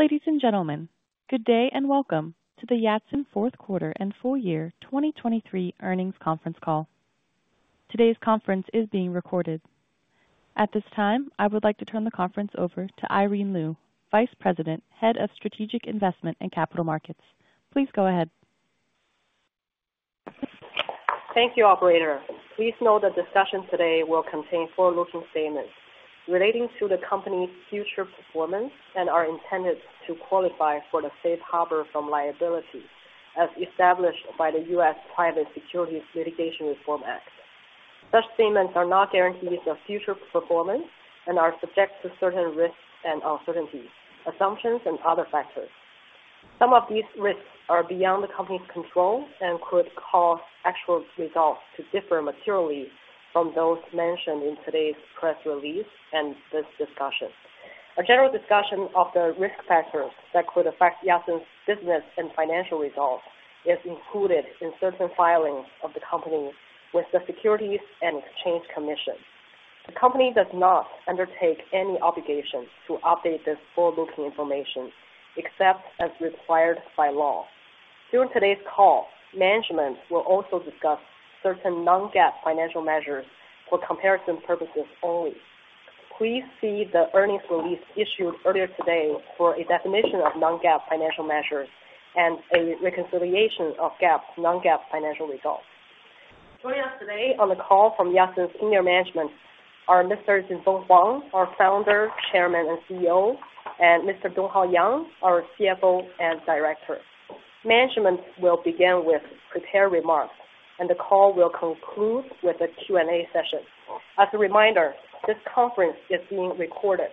Ladies and gentlemen, good day and welcome to the Yatsen fourth quarter and full year 2023 earnings conference call. Today's conference is being recorded. At this time, I would like to turn the conference over to Irene Lyu, Vice President, Head of Strategic Investment and Capital Markets. Please go ahead. Thank you, Operator. Please note the discussion today will contain forward-looking statements relating to the company's future performance and are intended to qualify for the safe harbor from liability as established by the U.S. Private Securities Litigation Reform Act. Such statements are not guarantees of future performance and are subject to certain risks and uncertainty, assumptions, and other factors. Some of these risks are beyond the company's control and could cause actual results to differ materially from those mentioned in today's press release and this discussion. A general discussion of the risk factors that could affect Yatsen's business and financial results is included in certain filings of the company with the Securities and Exchange Commission. The company does not undertake any obligation to update this forward-looking information except as required by law. During today's call, management will also discuss certain non-GAAP financial measures for comparison purposes only. Please see the earnings release issued earlier today for a definition of non-GAAP financial measures and a reconciliation of non-GAAP financial results. Joining us today on the call from Yatsen's senior management are Mr. Jinfeng Huang, our Founder, Chairman, and CEO, and Mr. Donghao Yang, our CFO and Director. Management will begin with prepared remarks, and the call will conclude with a Q&A session. As a reminder, this conference is being recorded.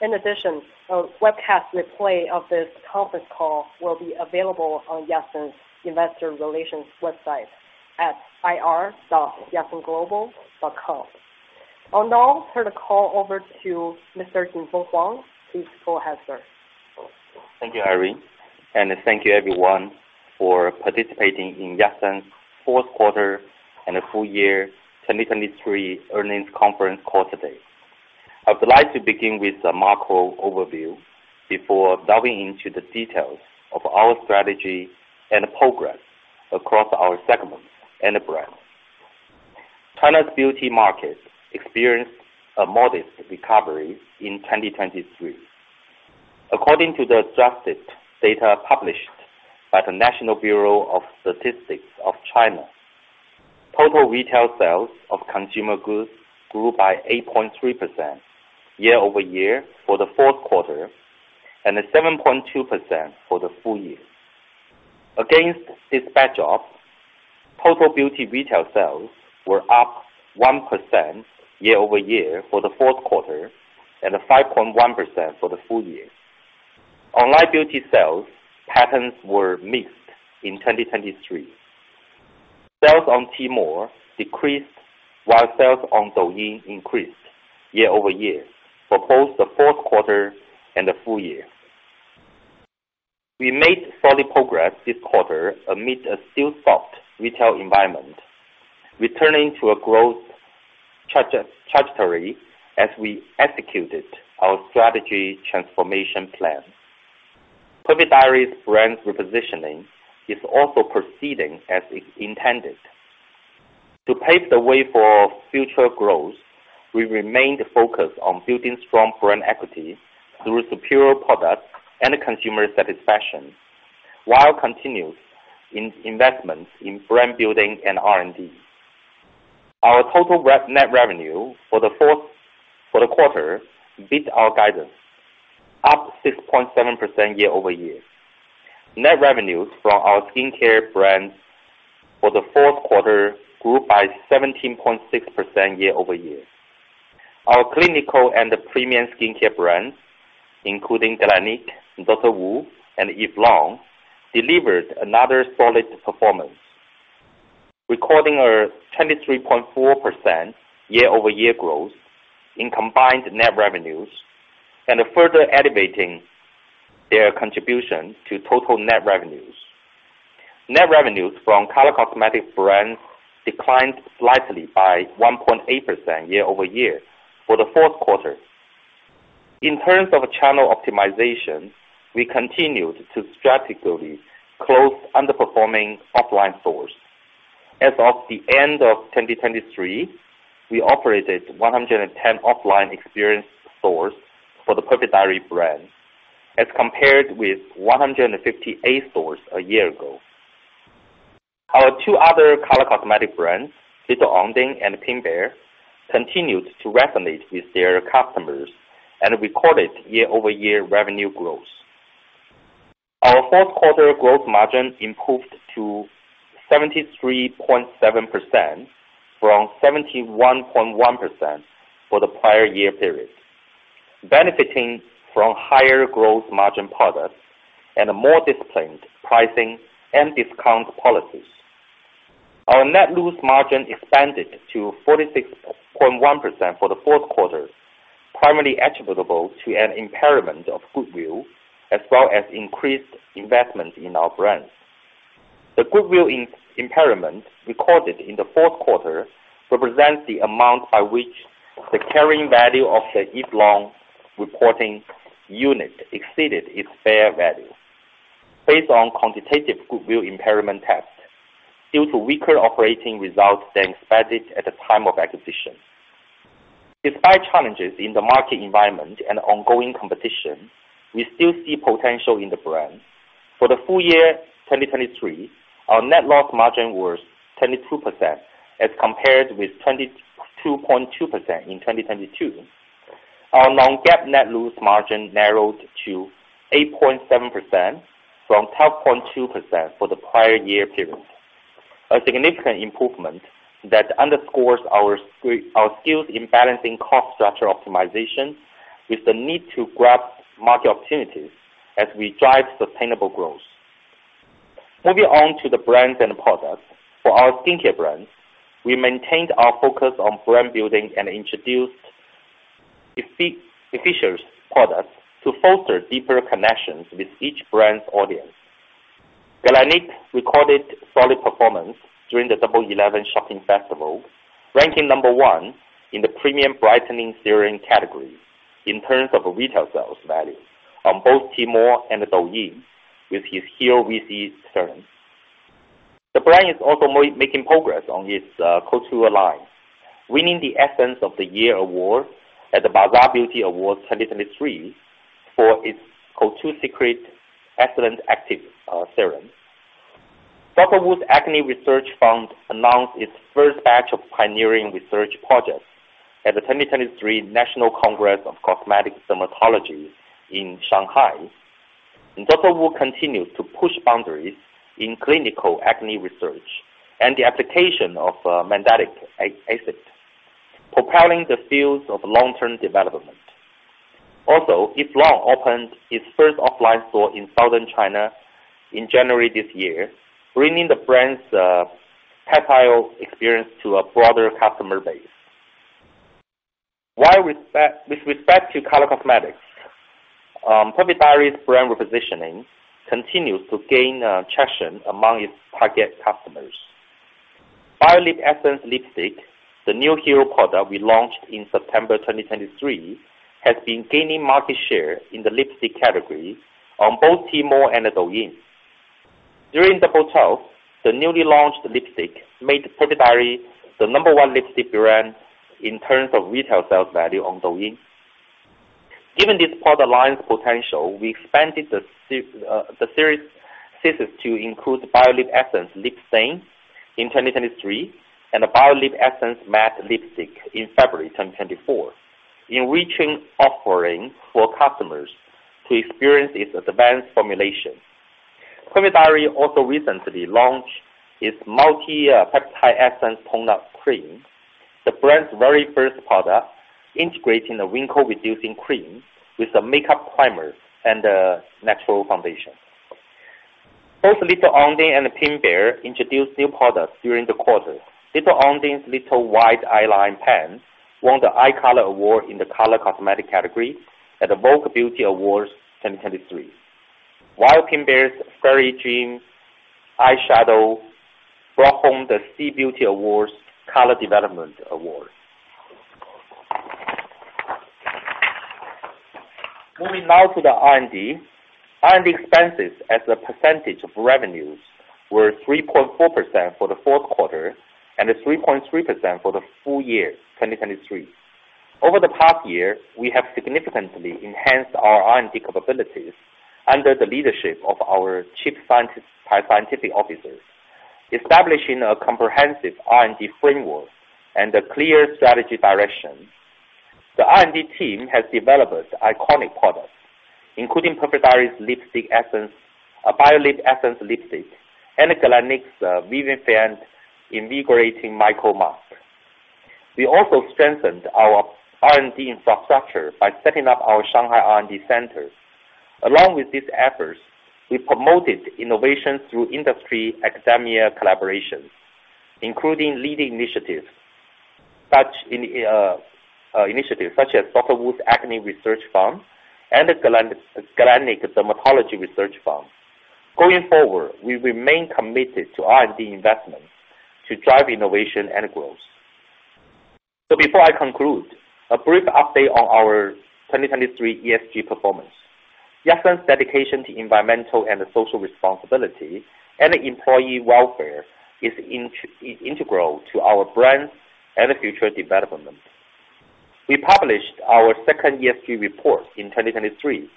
In addition, a webcast replay of this conference call will be available on Yatsen's investor relations website at ir.yatsenglobal.com. I'll now turn the call over to Mr. Jinfeng Huang. Please go ahead, sir. Thank you, Irene. Thank you, everyone, for participating in Yatsen's fourth quarter and full year 2023 earnings conference call today. I would like to begin with a macro overview before delving into the details of our strategy and progress across our segments and brands. China's beauty market experienced a modest recovery in 2023. According to the adjusted data published by the National Bureau of Statistics of China, total retail sales of consumer goods grew by 8.3% year-over-year for the fourth quarter and 7.2% for the full year. Against this backdrop, total beauty retail sales were up 1% year-over-year for the fourth quarter and 5.1% for the full year. Online beauty sales patterns were mixed in 2023. Sales on Tmall decreased while sales on Douyin increased year-over-year for both the fourth quarter and the full year. We made solid progress this quarter amid a still-soft retail environment, returning to a growth trajectory as we executed our strategy transformation plan. Perfect Diary brand repositioning is also proceeding as intended. To pave the way for future growth, we remain focused on building strong brand equity through superior products and consumer satisfaction while continuing investments in brand building and R&D. Our total net revenue for the quarter beat our guidance, up 6.7% year-over-year. Net revenues from our skincare brands for the fourth quarter grew by 17.6% year-over-year. Our clinical and premium skincare brands, including Galénic, DR.WU, and Eve Lom, delivered another solid performance, recording a 23.4% year-over-year growth in combined net revenues and further elevating their contribution to total net revenues. Net revenues from Color Cosmetics brands declined slightly by 1.8% year-over-year for the fourth quarter. In terms of channel optimization, we continued to strategically close underperforming offline stores. As of the end of 2023, we operated 110 offline experience stores for the Perfect Diary brand as compared with 158 stores a year ago. Our two other color cosmetics brands, Little Ondine and Pink Bear, continued to resonate with their customers and recorded year-over-year revenue growth. Our fourth quarter gross margin improved to 73.7% from 71.1% for the prior year period, benefiting from higher gross margin products and more disciplined pricing and discount policies. Our net loss margin expanded to 46.1% for the fourth quarter, primarily attributable to an impairment of goodwill as well as increased investment in our brands. The goodwill impairment recorded in the fourth quarter represents the amount by which the carrying value of the Eve Lom reporting unit exceeded its fair value based on quantitative goodwill impairment test due to weaker operating results than expected at the time of acquisition. Despite challenges in the market environment and ongoing competition, we still see potential in the brand. For the full year 2023, our net loss margin was 22% as compared with 22.2% in 2022. Our non-GAAP net loss margin narrowed to 8.7% from 12.2% for the prior year period, a significant improvement that underscores our skills in balancing cost structure optimization with the need to grab market opportunities as we drive sustainable growth. Moving on to the brands and products, for our skincare brands, we maintained our focus on brand building and introduced efficient products to foster deeper connections with each brand's audience. Galénic recorded solid performance during the Double 11 Shopping Festival, ranking number 1 in the premium brightening serum category in terms of retail sales value on both Tmall and Douyin with its Pure Vitamin C Serum. The brand is also making progress on its Couture line, winning the Essence of the Year award at the Bazaar Beauty Awards 2023 for its Couture Secret d'Excellence active serum. DR.WU's Acne Research Fund announced its first batch of pioneering research projects at the 2023 National Congress of Cosmetic Dermatology in Shanghai. DR.WU continues to push boundaries in clinical acne research and the application of mandelic acid, propelling the fields of long-term development. Eve Lom opened its first offline store in southern China in January this year, bringing the brand's spa experience to a broader customer base. With respect to Color Cosmetics, Perfect Diary brand repositioning continues to gain traction among its target customers. 'Biolip' Essence Lipstick, the new Hero product we launched in September 2023, has been gaining market share in the lipstick category on both Tmall and Douyin. During Double 12, the newly launched lipstick made Perfect Diary the number one lipstick brand in terms of retail sales value on Douyin. Given this product line's potential, we expanded the series to include 'Biolip' Essence Lip Stain in 2023 and 'Biolip' Essence Matte Lipstick in February 2024, enriching offering for customers to experience its advanced formulation. Perfect Diary also recently launched its Multi-Peptide Essence Tone Up Cream, the brand's very first product integrating a wrinkle-reducing cream with a makeup primer and a natural foundation. Both Little Ondine and Pink Bear introduced new products during the quarter. Little Ondine's 'Little White' Eyeliner Pen won the Eye Color Award in the Color Cosmetics category at the Vogue Beauty Awards 2023, while Pink Bear's 'Fairy Dream' Eyeshadow brought home the C-Beauty Awards Color Development Award. Moving now to the R&D, R&D expenses as a percentage of revenues were 3.4% for the fourth quarter and 3.3% for the full year 2023. Over the past year, we have significantly enhanced our R&D capabilities under the leadership of our Chief Scientific Officer, establishing a comprehensive R&D framework and a clear strategy direction. The R&D team has developed iconic products, including Perfect Diary's 'Biolip' Essence Lipstick and Galénic's Vivifying Micro-encapsulated Essence. We also strengthened our R&D infrastructure by setting up our Shanghai R&D Center. Along with these efforts, we promoted innovation through industry-academia collaborations, including leading initiatives such as DR.WU's Acne Research Fund and Galénic's Dermatology Research Fund. Going forward, we remain committed to R&D investments to drive innovation and growth. So before I conclude, a brief update on our 2023 ESG performance. Yatsen's dedication to environmental and social responsibility and employee welfare is integral to our brand and future development. We published our second ESG report in 2023,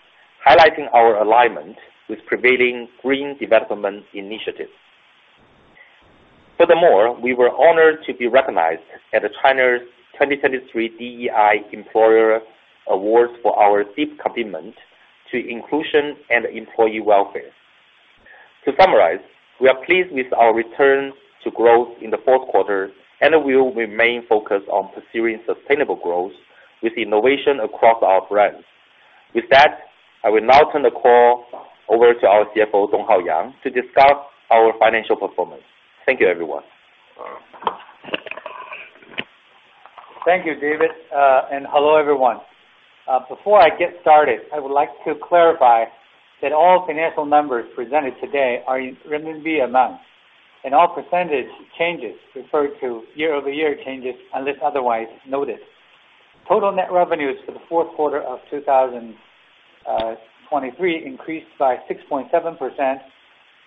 highlighting our alignment with prevailing green development initiatives. Furthermore, we were honored to be recognized at China's 2023 DEI Employer Awards for our deep commitment to inclusion and employee welfare. To summarize, we are pleased with our return to growth in the fourth quarter and will remain focused on pursuing sustainable growth with innovation across our brands. With that, I will now turn the call over to our CFO, Donghao Yang, to discuss our financial performance. Thank you, everyone. Thank you, David. Hello, everyone. Before I get started, I would like to clarify that all financial numbers presented today are in RMB amounts, and all percentage changes refer to year-over-year changes unless otherwise noted. Total net revenues for the fourth quarter of 2023 increased by 6.7%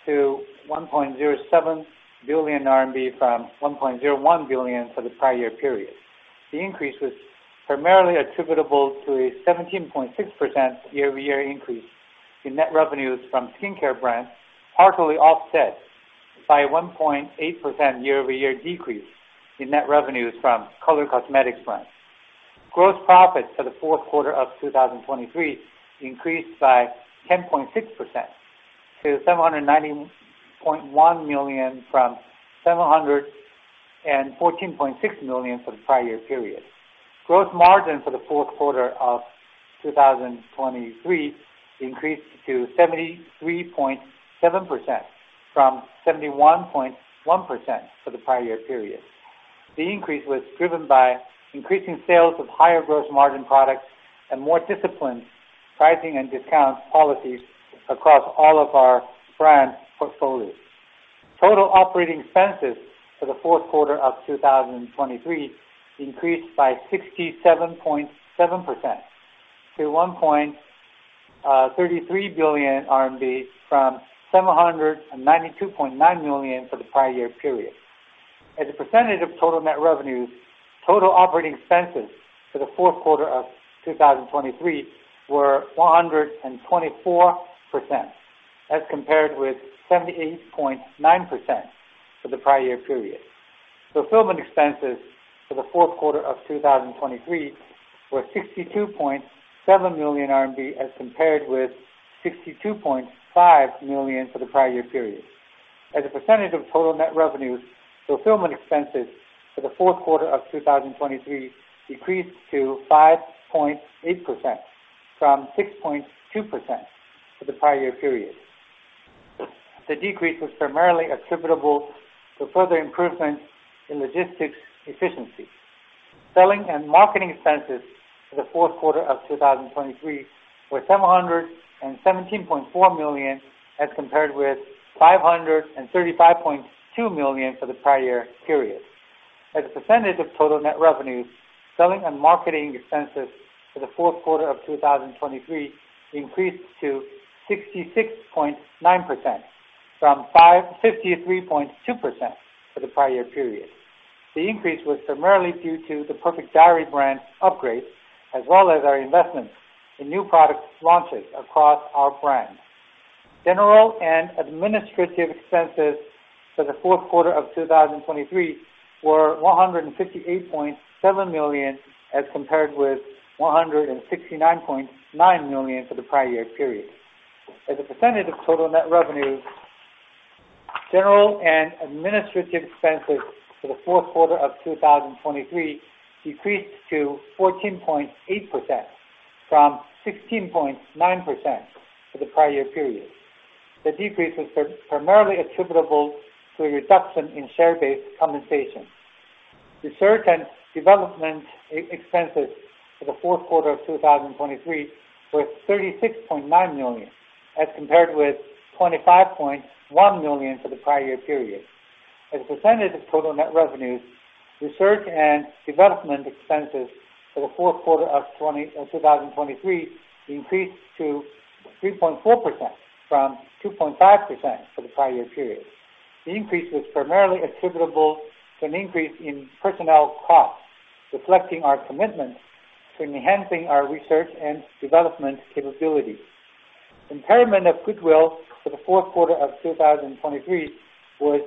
to 1.07 billion RMB from 1.01 billion for the prior year period. The increase was primarily attributable to a 17.6% year-over-year increase in net revenues from skincare brands, partially offset by a 1.8% year-over-year decrease in net revenues from Color Cosmetics brands. Gross profits for the fourth quarter of 2023 increased by 10.6% to 790.1 million from 714.6 million for the prior year period. Gross margin for the fourth quarter of 2023 increased to 73.7% from 71.1% for the prior year period. The increase was driven by increasing sales of higher gross margin products and more disciplined pricing and discount policies across all of our brand portfolios. Total operating expenses for the fourth quarter of 2023 increased by 67.7% to 1.33 billion RMB from 792.9 million for the prior year period. As a percentage of total net revenues, total operating expenses for the fourth quarter of 2023 were 124% as compared with 78.9% for the prior year period. Fulfillment expenses for the fourth quarter of 2023 were 62.7 million RMB as compared with 62.5 million RMB for the prior year period. As a percentage of total net revenues, fulfillment expenses for the fourth quarter of 2023 decreased to 5.8% from 6.2% for the prior year period. The decrease was primarily attributable to further improvements in logistics efficiency. Selling and marketing expenses for the fourth quarter of 2023 were 717.4 million as compared with 535.2 million for the prior year period. As a percentage of total net revenues, selling and marketing expenses for the fourth quarter of 2023 increased to 66.9% from 53.2% for the prior year period. The increase was primarily due to the Perfect Diary brand upgrade as well as our investments in new product launches across our brand. General and administrative expenses for the fourth quarter of 2023 were 158.7 million as compared with 169.9 million for the prior year period. As a percentage of total net revenues, general and administrative expenses for the fourth quarter of 2023 decreased to 14.8% from 16.9% for the prior year period. The decrease was primarily attributable to a reduction in share-based compensation. Research and development expenses for the fourth quarter of 2023 were 36.9 million as compared with 25.1 million for the prior year period. As a percentage of total net revenues, research and development expenses for the fourth quarter of 2023 increased to 3.4% from 2.5% for the prior year period. The increase was primarily attributable to an increase in personnel costs, reflecting our commitment to enhancing our research and development capabilities. Impairment of goodwill for the fourth quarter of 2023 was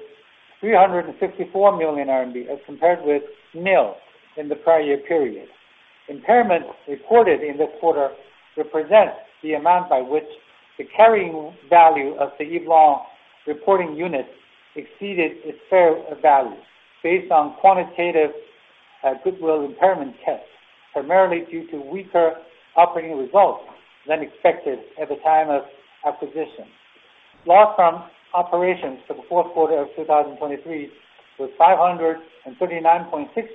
354 million RMB as compared with nil in the prior year period. Impairment reported in this quarter represents the amount by which the carrying value of the Eve Lom reporting unit exceeded its fair value based on quantitative goodwill impairment test, primarily due to weaker operating results than expected at the time of acquisition. Loss from operations for the fourth quarter of 2023 was 539.6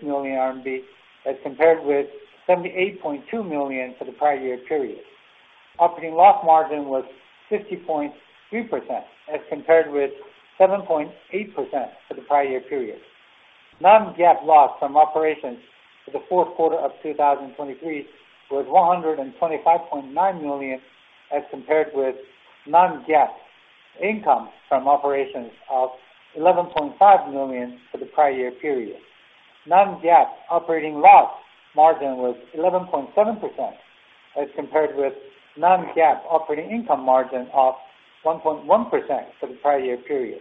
million RMB as compared with 78.2 million for the prior year period. Operating loss margin was 50.3% as compared with 7.8% for the prior year period. Non-GAAP loss from operations for the fourth quarter of 2023 was 125.9 million as compared with non-GAAP income from operations of 11.5 million for the prior year period. Non-GAAP operating loss margin was 11.7% as compared with non-GAAP operating income margin of 1.1% for the prior year period.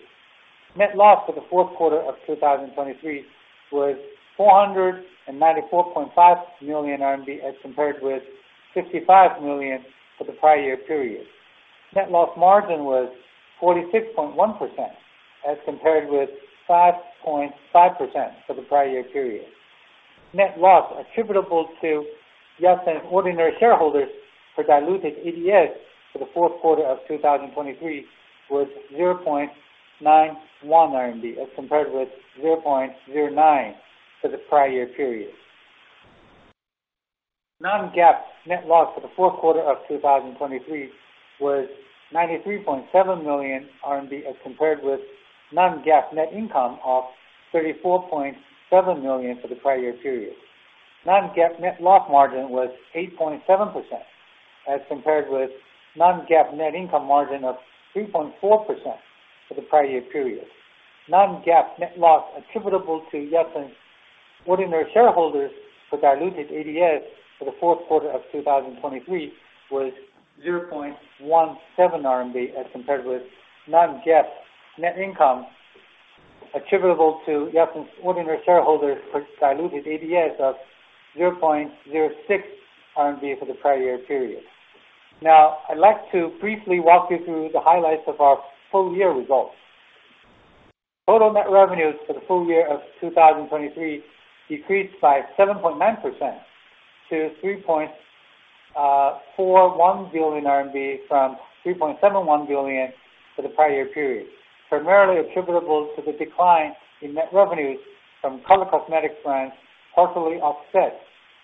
Net loss for the fourth quarter of 2023 was 494.5 million RMB as compared with 55 million for the prior year period. Net loss margin was 46.1% as compared with 5.5% for the prior year period. Net loss attributable to Yatsen's ordinary shareholders for diluted ADS for the fourth quarter of 2023 was 0.91 RMB as compared with 0.09 for the prior year period. Non-GAAP net loss for the fourth quarter of 2023 was 93.7 million RMB as compared with non-GAAP net income of 34.7 million for the prior year period. Non-GAAP net loss margin was 8.7% as compared with non-GAAP net income margin of 3.4% for the prior year period. Non-GAAP net loss attributable to Yatsen's ordinary shareholders for diluted ADS for the fourth quarter of 2023 was 0.17 RMB as compared with non-GAAP net income attributable to Yatsen's ordinary shareholders for diluted of 0.06 RMB for the prior year period. Now, I'd like to briefly walk you through the highlights of our full year results. Total net revenues for the full year of 2023 decreased by 7.9% to 3.41 billion RMB from 3.71 billion for the prior year period, primarily attributable to the decline in net revenues from color cosmetics brands, partially offset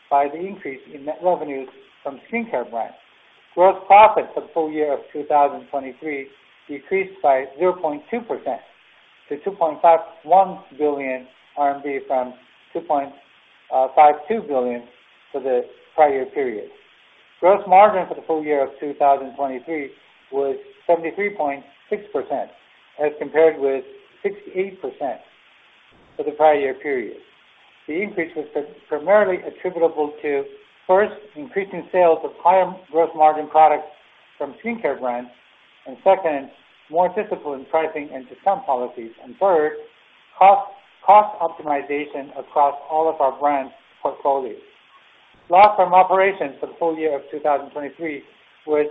by the increase in net revenues from skincare brands. Gross profit for the full year of 2023 decreased by 0.2% to 2.51 billion RMB from 2.52 billion for the prior year period. Gross margin for the full year of 2023 was 73.6% as compared with 68% for the prior year period. The increase was primarily attributable to, first, increasing sales of higher gross margin products from skincare brands, and second, more disciplined pricing and discount policies, and third, cost optimization across all of our brand portfolios. Loss from operations for the full year of 2023 was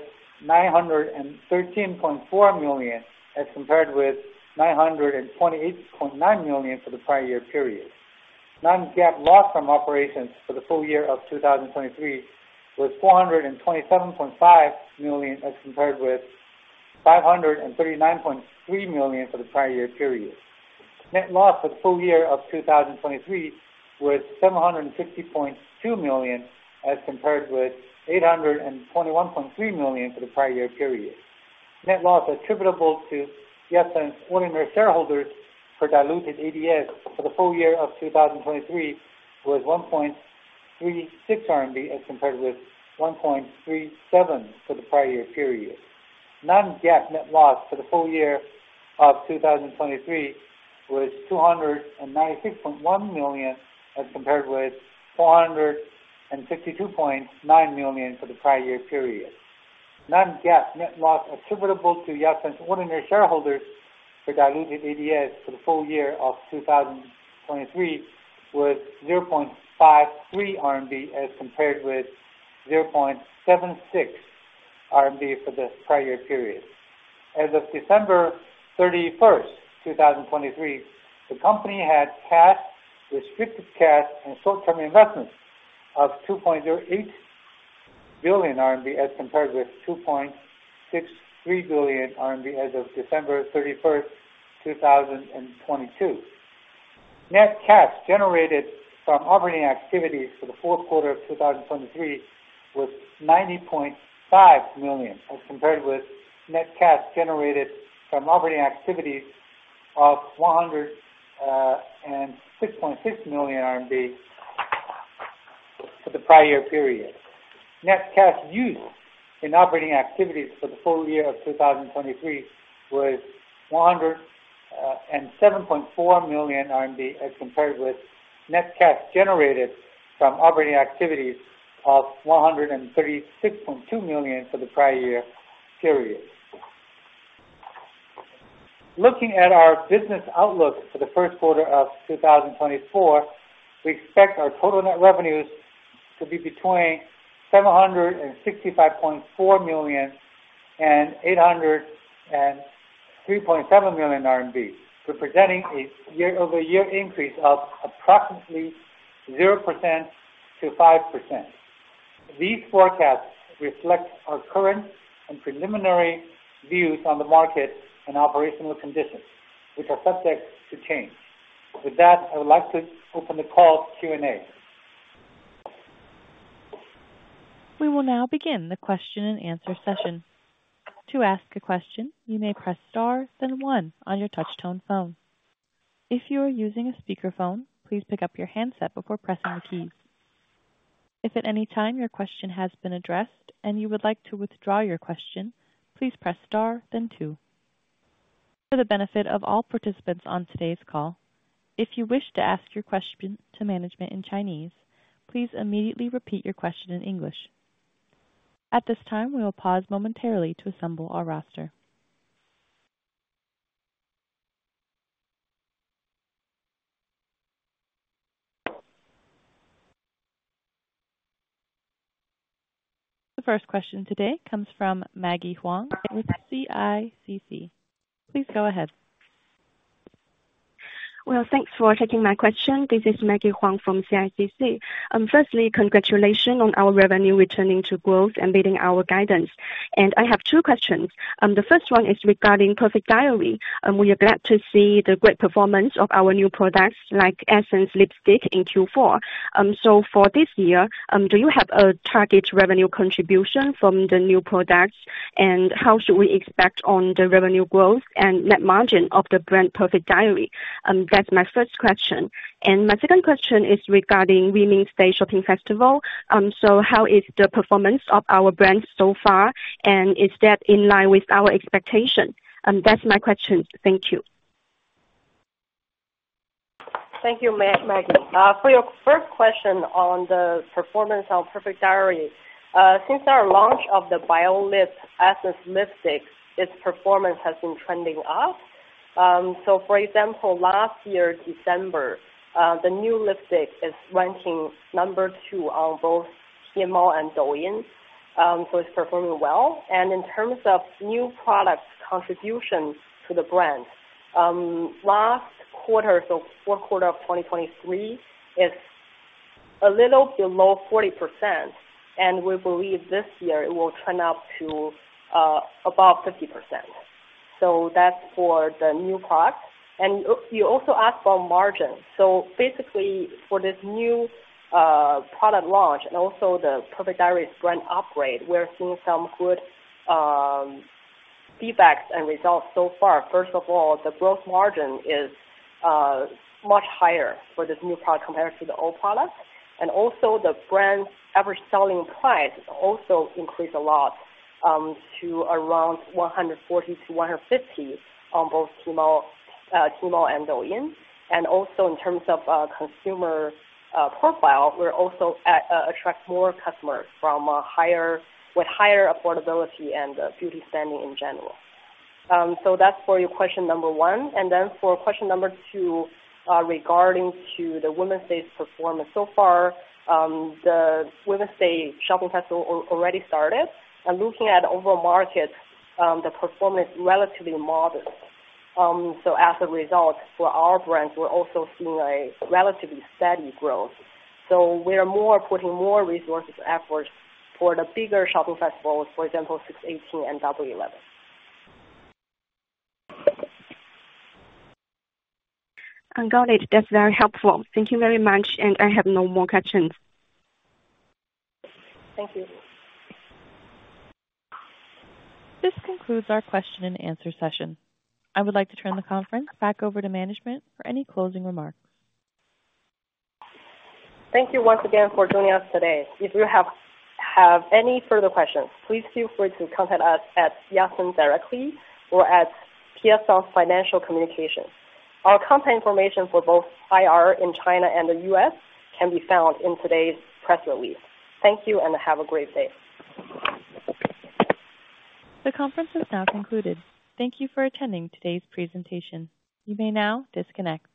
913.4 million as compared with 928.9 million for the prior year period. Non-GAAP loss from operations for the full year of 2023 was 427.5 million as compared with 539.3 million for the prior year period. Net loss for the full year of 2023 was 750.2 million as compared with 821.3 million for the prior year period. Net loss attributable to Yatsen's ordinary shareholders for diluted ADS for the full year of 2023 was 1.36 RMB as compared with 1.37 for the prior year period. Non-GAAP net loss for the full year of 2023 was 296.1 million as compared with 462.9 million for the prior year period. Non-GAAP net loss attributable to Yatsen's ordinary shareholders for diluted ADS for the full year of 2023 was 0.53 RMB as compared with 0.76 RMB for the prior year period. As of December 31st, 2023, the company had cash, restricted cash, and short-term investments of 2.08 billion RMB as compared with 2.63 billion RMB as of December 31st, 2022. Net cash generated from operating activities for the fourth quarter of 2023 was 90.5 million as compared with net cash generated from operating activities of 106.6 million RMB for the prior year period. Net cash used in operating activities for the full year of 2023 was 107.4 million RMB as compared with net cash generated from operating activities of 136.2 million for the prior year period. Looking at our business outlook for the first quarter of 2024, we expect our total net revenues to be between 765.4 million and 803.7 million RMB, representing a year-over-year increase of approximately 0%-5%. These forecasts reflect our current and preliminary views on the market and operational conditions, which are subject to change. With that, I would like to open the call to Q&A. We will now begin the question-and-answer session. To ask a question, you may press star, then one on your touch-tone phone. If you are using a speakerphone, please pick up your handset before pressing the keys. If at any time your question has been addressed and you would like to withdraw your question, please press star, then two. For the benefit of all participants on today's call, if you wish to ask your question to management in Chinese, please immediately repeat your question in English. At this time, we will pause momentarily to assemble our roster. The first question today comes from Maggie Huang with CICC. Please go ahead. Well, thanks for taking my question. This is Maggie Huang from CICC. Firstly, congratulations on our revenue returning to growth and beating our guidance. And I have two questions. The first one is regarding Perfect Diary. We are glad to see the great performance of our new products like Essence Lipstick in Q4. So for this year, do you have a target revenue contribution from the new products, and how should we expect on the revenue growth and net margin of the brand Perfect Diary? That's my first question. And my second question is regarding Women's Day Shopping Festival. So how is the performance of our brand so far, and is that in line with our expectations? That's my question. Thank you. Thank you, Maggie. For your first question on the performance on Perfect Diary, since our launch of the Biolip Essence Lipstick, its performance has been trending up. So for example, last year, December, the new lipstick is ranking number two on both Tmall and Douyin. So it's performing well. And in terms of new product contribution to the brand, last quarter, so fourth quarter of 2023, is a little below 40%. And we believe this year it will trend up to about 50%. So that's for the new product. And you also asked about margin. So basically, for this new product launch and also the Perfect Diary's brand upgrade, we're seeing some good feedback and results so far. First of all, the gross margin is much higher for this new product compared to the old product. The brand's average selling price also increased a lot to around 140-150 on both Tmall and Douyin. In terms of consumer profile, we're also attracting more customers with higher affordability and beauty standing in general. So that's for your question number one. Then for question number two regarding the Women's Day's performance so far, the Women's Day Shopping Festival already started. Looking at the overall market, the performance is relatively modest. So as a result, for our brands, we're also seeing a relatively steady growth. We are putting more resources and efforts for the bigger shopping festivals, for example, 618 and Double 11. Got it. That's very helpful. Thank you very much. I have no more questions. Thank you. This concludes our question-and-answer session. I would like to turn the conference back over to management for any closing remarks. Thank you once again for joining us today. If you have any further questions, please feel free to contact us at Yatsen directly or at Piacente Financial Communications. Our contact information for both IR in China and the U.S. can be found in today's press release. Thank you, and have a great day. The conference is now concluded. Thank you for attending today's presentation. You may now disconnect.